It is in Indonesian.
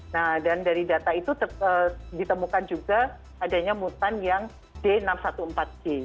nah dan dari data itu ditemukan juga adanya mutan yang d enam ratus empat belas g